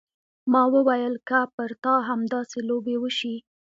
ما وويل که پر تا همداسې لوبې وشي.